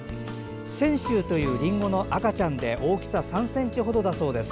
千秋というりんごの赤ちゃんで大きさは３ｃｍ程だそうです。